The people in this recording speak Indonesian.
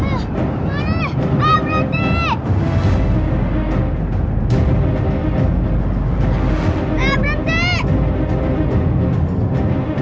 eh mesti diajar deh